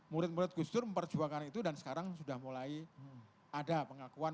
murid murid gus dur memperjuangkan itu dan sekarang sudah mulai ada pengakuan